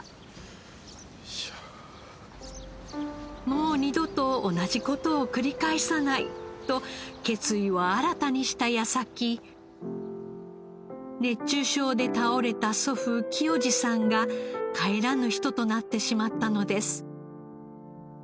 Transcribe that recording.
もう二度と同じ事を繰り返さないと決意を新たにした矢先熱中症で倒れた祖父清二さんが帰らぬ人となってしまったのです。